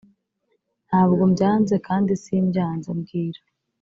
ntabwo mbyanze kandi simbyanze (mbwira)